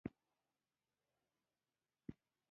د ټکنالوجۍ پرمختګ د مخابراتو بڼه بدله کړې ده.